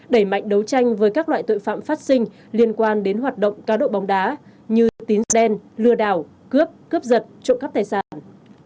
đẩy mạnh đấu tranh với các loại tội phạm phát sinh liên quan đến hoạt động cá độ bóng đá như tín sen lừa đảo cướp cướp giật trộm cắp tài sản